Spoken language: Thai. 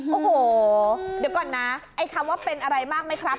โอ้โหเดี๋ยวก่อนนะไอ้คำว่าเป็นอะไรมากไหมครับ